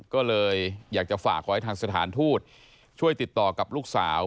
ก็เลยอยากจะฝากขอให้ทางสถานทูตช่วยติดต่อกับลูกสาว